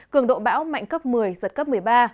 cường độ bão mạnh cấp một mươi giật cấp một mươi ba